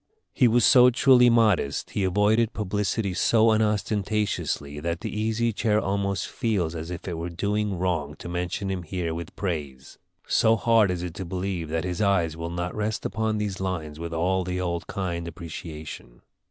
He was so truly modest, he avoided publicity so unostentatiously, that the Easy Chair almost feels as if it were doing wrong to mention him here with praise; so hard is it to believe that his eyes will not rest upon these lines with all the old kind appreciation.